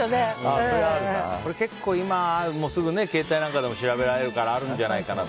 結構今はすぐに携帯でも調べられるからあるんじゃないかな。